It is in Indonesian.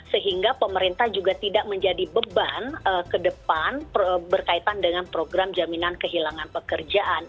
sehingga pemerintah juga tidak menjadi beban ke depan berkaitan dengan program jaminan kehilangan pekerjaan